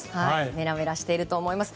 メラメラしていると思います。